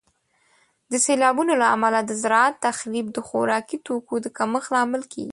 د سیلابونو له امله د زراعت تخریب د خوراکي توکو د کمښت لامل کیږي.